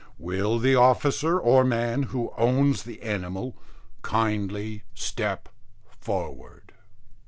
Will the officer or man who owns the animal kindly step forward?"